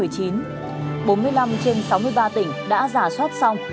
bốn mươi năm trên sáu mươi ba tỉnh đã giả soát xong